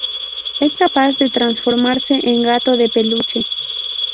Es capaz de transformarse en gato de peluche.